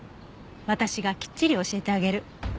私がきっちり教えてあげる。